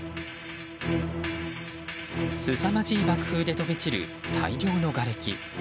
すさまじい爆風で飛び散る大量のがれき。